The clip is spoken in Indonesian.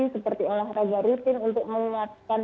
seperti olahraga rutin untuk menguatkan